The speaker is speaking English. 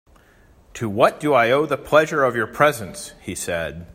"To what do I owe the pleasure of your presence," he said.